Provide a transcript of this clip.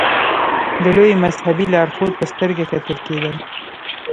د لوی مذهبي لارښود په سترګه کتل کېدل.